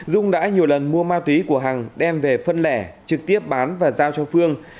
dung đã nhiều lần mua ma túy của hằng đem về phân lẻ trực tiếp bán và giao cho phương